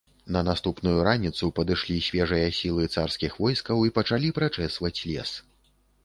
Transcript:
На наступную раніцу падышлі свежыя сілы царскіх войскаў і пачалі прачэсваць лес.